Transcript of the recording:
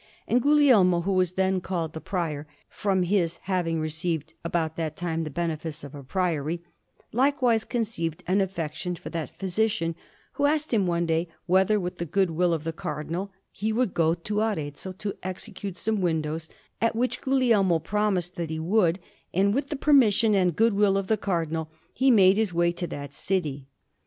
And Guglielmo, who was then called the Prior, from his having received about that time the benefice of a priory, likewise conceived an affection for that physician, who asked him one day whether, with the good will of the Cardinal, he would go to Arezzo to execute some windows; at which Guglielmo promised that he would, and with the permission and good will of the Cardinal he made his way to that city.